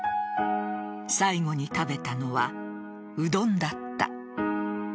最後に食べたのは、うどんだった。